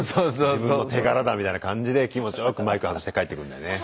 自分の手柄だみたいな感じで気持ちよくマイク外して帰ってくんだよね。